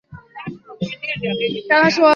而厄瓜多尔共和国也因此成立。